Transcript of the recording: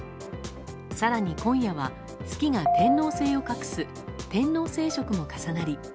更に今夜は、月が天王星を隠す天王星食も重なり